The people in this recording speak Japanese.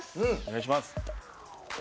お願いします。